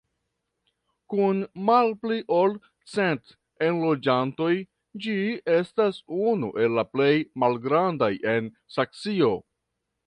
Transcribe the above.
Kun malpli ol cent enloĝantoj ĝi estas unu el la plej malgrandaj en Saksio.